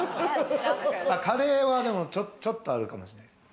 カレーはちょっとあるかもしれないですね。